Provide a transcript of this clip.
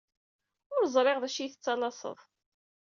Ur ẓriɣ d acu i yi-tettalaseḍ.